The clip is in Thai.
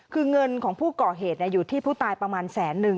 คือเงินของผู้ก่อเหตุอยู่ที่ผู้ตายประมาณแสนนึง